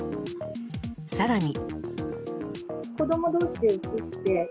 更に。